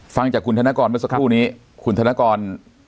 ฟังจากคุณธนกรเมื่อสักครู่นี้คุณธนกร